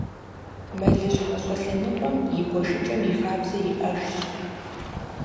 Мэлыщхьэ щӏылъэныкъуэм и гуэшыкӏэм и хабзэ иӏэжщ.